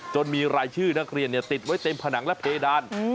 มีรายชื่อนักเรียนติดไว้เต็มผนังและเพดาน